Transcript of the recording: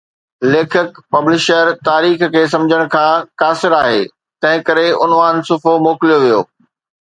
ليکڪ، پبلشر، تاريخ کي سمجھڻ کان قاصر آھي تنھنڪري عنوان صفحو موڪليو ويو